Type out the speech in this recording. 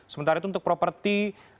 sementara itu untuk properti